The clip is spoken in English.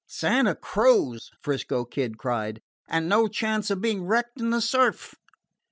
"Santa Cruz!" 'Frisco Kid cried, "and no chance of being wrecked in the surf!"